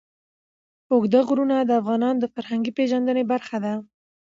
اوږده غرونه د افغانانو د فرهنګي پیژندنې برخه ده.